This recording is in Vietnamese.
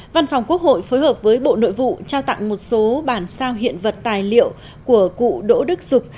văn phòng quốc hội phối hợp với bộ nội vụ trao tặng một số bản sao hiện vật tài liệu của cụ đỗ đức sụp